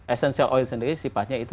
essential oil sendiri sifatnya itu